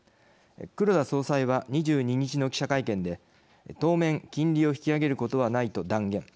黒田総裁は２２日の記者会見で「当面金利を引き上げることはない」と断言。